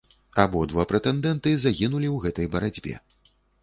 Абодва прэтэндэнты загінулі ў гэтай барацьбе.